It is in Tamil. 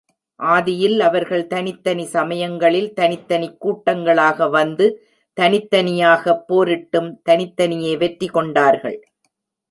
ஆதியில் அவர்கள் தனித்தனி சமயங்களில் தனித் தனிக் கூட்டங்களாக வந்து தனித் தனியாகப் போரிட்டும் தனித்தனியே வெற்றி கொண்டார்கள்.